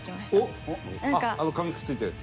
あの紙くっついたやつ？